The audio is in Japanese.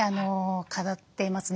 飾っていますね。